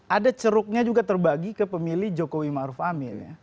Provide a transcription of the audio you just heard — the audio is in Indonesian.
ada ceruknya juga terbagi ke pemilih jokowi maruf amin